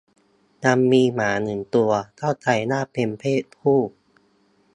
"ยังมีหมาหนึ่งตัว เข้าใจว่าเป็นเพศผู้"